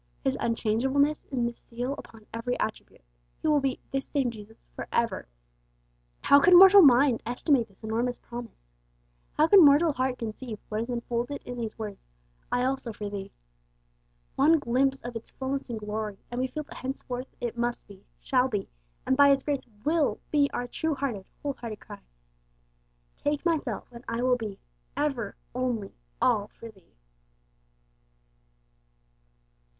His unchangeableness is the seal upon every attribute; He will be 'this same Jesus' for ever. How can mortal mind estimate this enormous promise? How can mortal heart conceive what is enfolded in these words, 'I also for thee'? One glimpse of its fulness and glory, and we feel that henceforth it must be, shall be, and by His grace will be our true hearted, whole hearted cry Take myself, and I will be Ever, ONLY, ALL for Thee!